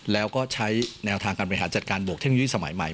แล้วก็ใช้แนวทางการบริหารจัดการบวกเทคโนโลยีสมัยใหม่